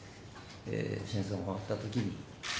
戦争が終わったときに。